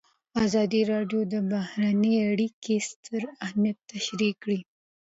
ازادي راډیو د بهرنۍ اړیکې ستر اهميت تشریح کړی.